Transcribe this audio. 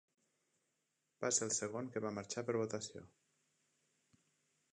Va ser el segon que va marxar per votació.